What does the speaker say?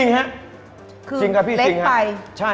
เพราะฉะนั้นถ้าใครอยากทานเปรี้ยวเหมือนโป้แตก